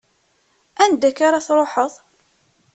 Anda akka ar ad tṛuḥeḍ?